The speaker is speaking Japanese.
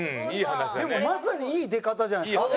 でもまさにいい出方じゃないですか？